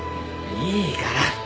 いいから。